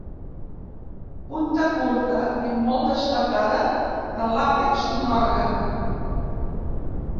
Punta curta i molt destacada de l'àpex d'un òrgan.